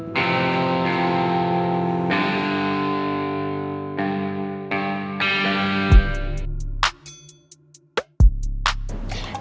dia udah selesai makan